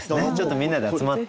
みんなで集まって。